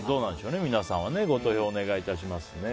皆さん、ご投票お願いしますね。